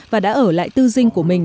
và đã ở lại tư dinh của mình